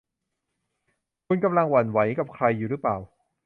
คุณกำลังหวั่นไหวกับใครอยู่หรือเปล่า